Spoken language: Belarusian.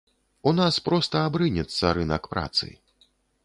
У нас проста абрынецца рынак працы.